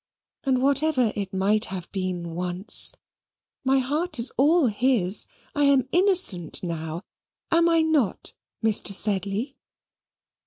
And whatever it might have been once my heart is all his. I am innocent now. Am I not, Mr. Sedley?"